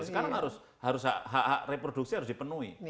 sekarang harus hak hak reproduksi harus dipenuhi